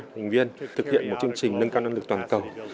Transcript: thành viên thực hiện một chương trình nâng cao năng lực toàn cầu